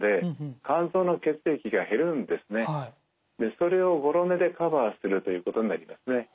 それをごろ寝でカバーするということになりますね。